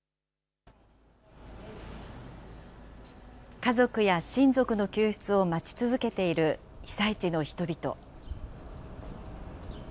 家族や親族の救出を待ち続けている被災地の人々。